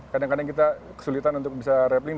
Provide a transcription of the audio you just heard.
kadang kadang kita kesulitan untuk bisa rapling